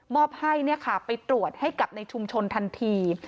มอบให้เนี่ยค่ะไปตรวจให้กลับในชุมชนทันที